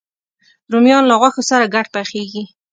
رومیان له غوښو سره ګډ پخېږي